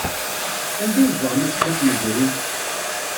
Anda ay zedɣen aseggas yezrin?